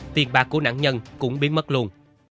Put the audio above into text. tiền bạc của nạn nhân cũng biến mất luôn